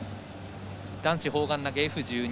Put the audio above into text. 男子砲丸投げＦ１２